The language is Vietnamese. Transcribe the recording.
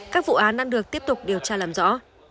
các vụ án đang được tiếp tục điều tra làm rõ